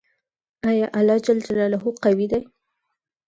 آیا الله قوی دی؟